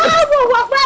ahhh buah wakbar